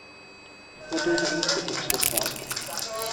What do the aesthetics look like?